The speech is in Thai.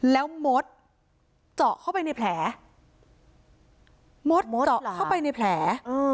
แล้วมดเจาะเข้าไปในแผล